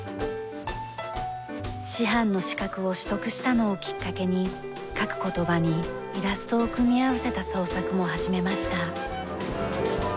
師範の資格を取得したのをきっかけに書く言葉にイラストを組み合わせた創作も始めました。